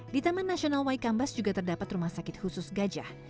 di taman nasional waikambas juga terdapat rumah sakit khusus gajah